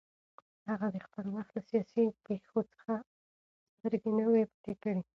هغه د خپل وخت له سیاسي پېښو څخه سترګې نه وې پټې کړې